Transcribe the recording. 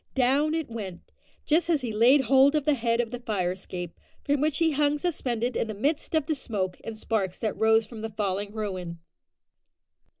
Down it went, just as he laid hold of the head of the fire escape, from which he hung suspended in the midst of the smoke and sparks that rose from the falling ruin.